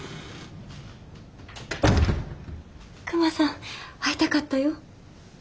クマさん会いたかったよ。